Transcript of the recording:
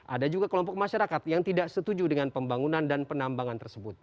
ada juga kelompok masyarakat yang tidak setuju dengan pembangunan dan penambangan tersebut